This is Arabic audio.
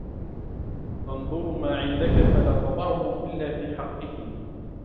تَنْظُرْ مَا عِنْدَك فَلَا تَضَعْهُ إلَّا فِي حَقِّهِ